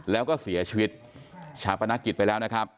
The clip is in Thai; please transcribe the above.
แล้วก็เสียชีวิตชาปนกิจไปแล้วนะครับ